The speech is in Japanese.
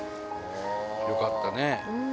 よかったね。